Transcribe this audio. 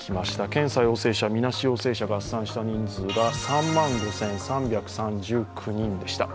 検査陽性者、みなし陽性者合算した人数が３万５３３９人でした。